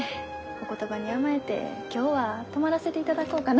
お言葉に甘えて今日は泊まらせていただこうかな。